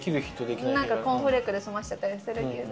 コーンフレークですませちゃったりするけど。